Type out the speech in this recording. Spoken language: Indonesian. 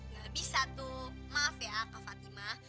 gak bisa tuh maaf ya kak fatimah